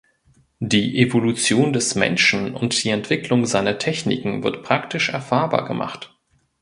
Die Evolution des Menschen und die Entwicklung seiner Techniken wird praktisch erfahrbar gemacht.